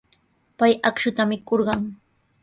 Pay akshuta mikurqan.